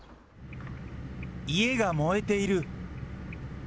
家が燃えている。